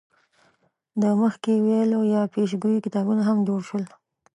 د مخکې ویلو یا پیشګویۍ کتابونه هم جوړ شول.